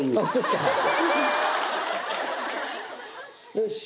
よし。